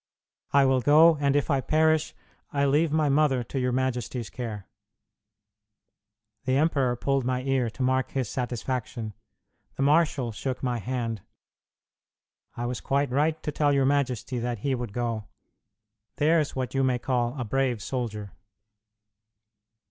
"I will go; and if I perish, I leave my mother to your Majesty's care." The emperor pulled my ear to mark his satisfaction; the marshal shook my hand "I was quite right to tell your Majesty that he would go. There's what you may call a brave soldier."